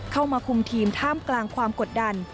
เข้ามาคุมทีมท่ามกลางความกดดัน